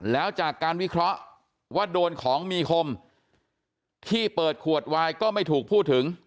แล้วจากการวิเคราะห์ว่าโดนของมีคมที่เปิดขวดวายก็ไม่ถูกพูดถึง